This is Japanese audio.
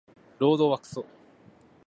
労働はクソ